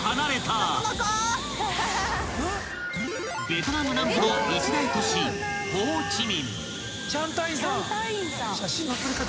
［ベトナム南部の一大都市ホーチミン］